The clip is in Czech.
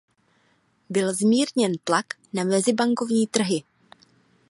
Byl zmírněn tlak na mezibankovní trhy.